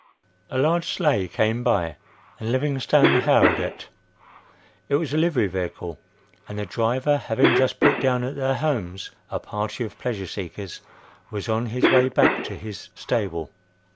A large sleigh came by and Livingstone hailed it. It was a livery vehicle and the driver having just put down at their homes a party of pleasure seekers was on his way back to his stable.